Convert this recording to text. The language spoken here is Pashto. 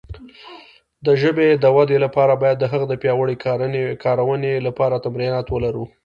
د ژبې د وده لپاره باید د هغه د پیاوړې کارونې لپاره تمرینات ولرو.